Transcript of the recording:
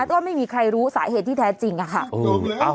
ก็ไม่มีใครรู้สาเหตุที่แท้จริงค่ะ